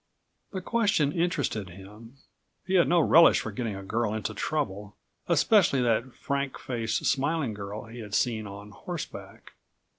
The question interested him. He had no relish for getting a girl into trouble, especially that frank faced, smiling girl he had seen on horseback.